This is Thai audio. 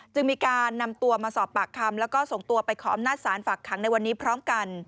จึงมีการนำตัวมาสอบปากคำแล้วก็ส่งตัวไปขออำนาจศาลฝากขังในวันนี้พร้อมกัน